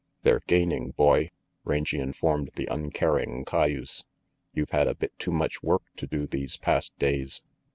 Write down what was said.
"They're gaining, boy!" Rangy informed the uncaring cayuse. "You've had a bit too much work to do these past days."